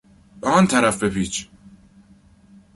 به آن طرف بپیچ!